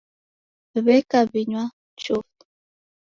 Weka winywa chofi